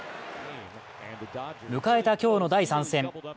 迎えた今日の第３戦。